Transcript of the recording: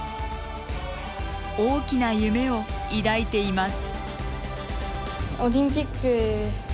大きな夢を抱いています。